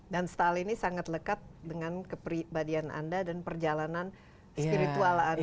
dan style ini sangat lekat dengan kepribadian anda dan perjalanan spiritual anda